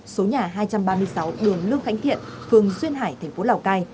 số nhà hai trăm ba mươi sáu đường lương khánh thiện phường xuyên hải tp lào cai